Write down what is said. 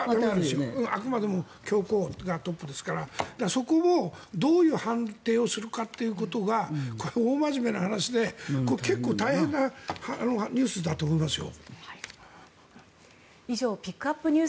あくまでも教皇がトップですからそこもどういう判定をするかということがこれ、大真面目な話でこれ、結構大変なニュースだと思いますよ。